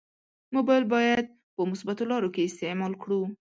مبایل باید په مثبتو لارو کې استعمال کړو.